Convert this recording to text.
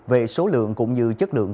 về số lượng cũng như chất lượng